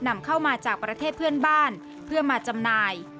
นำเข้ามาจากประเทศเพื่อนบ้านเพื่อมาจำหน่าย